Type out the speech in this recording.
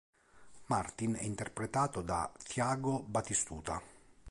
Martin è interpretato da Thiago Batistuta.